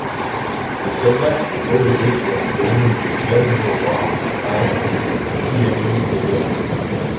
Ces soldats furent relevés sur les communes de Beine-Nauroy, Reims, Sillery et Verzy.